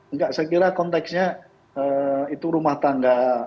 enggak saya kira konteksnya itu rumah tangga